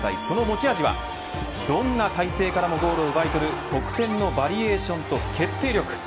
その持ち味はどんな体勢からのゴールを奪い取る得点のバリエーションと決定力。